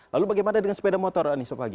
lalu bagaimana dengan sepeda motor anissa pagi